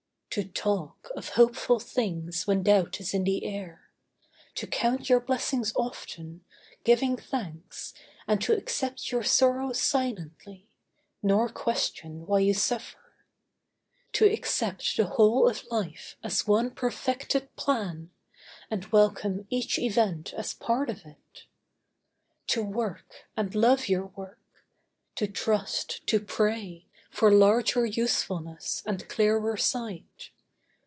To talk Of hopeful things when doubt is in the air. To count your blessings often, giving thanks, And to accept your sorrows silently, Nor question why you suffer. To accept The whole of life as one perfected plan, And welcome each event as part of it. To work, and love your work; to trust, to pray For larger usefulness and clearer sight.